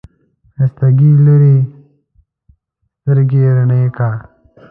ښايستې لورې، سترګې رڼې که!